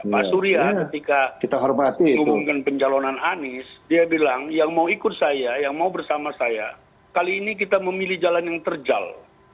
pak surya ketika diumumkan pencalonan anies dia bilang yang mau ikut saya yang mau bersama saya kali ini kita memilih jalan yang terjal